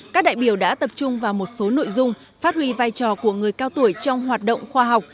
các đại biểu đã tập trung vào một số nội dung phát huy vai trò của người cao tuổi trong hoạt động khoa học